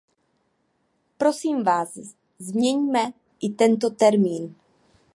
Prosím vás, změňme i tento termín!